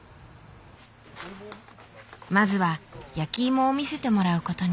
まずは焼きいもを見せてもらうことに。